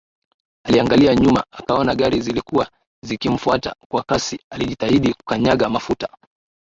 Aliangalia nyuma akaona gari zilikuwa zikimfuata kwa kasi alijitahidi kukanyaga Mafuta